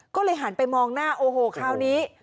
ก็เลยหันไปมองหน้าโอ้โหคราวนี้